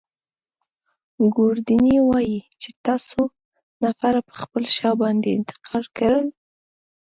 ګوردیني وايي چي تا څو نفره پر خپله شا باندې انتقال کړل.